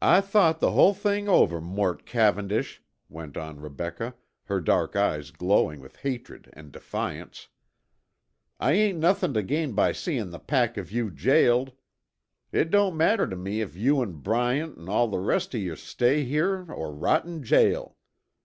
"I thought the hull thing over, Mort Cavendish," went on Rebecca, her dark eyes glowing with hatred and defiance. "I ain't nothin' tuh gain by seein' the pack of you jailed. It don't matter tuh me if you an' Bryant an' all the rest of yuh stay here or rot in jail."